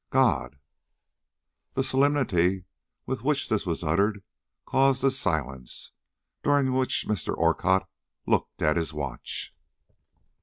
"God!" The solemnity with which this was uttered caused a silence, during which Mr. Orcutt looked at his watch.